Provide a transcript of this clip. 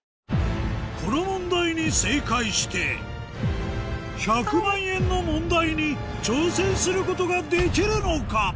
この問題に正解して１００万円の問題に挑戦することができるのか？